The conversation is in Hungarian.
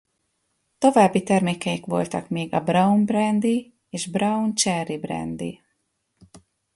További termékeik voltak még a Braun brandy és Braun Cherry brandy.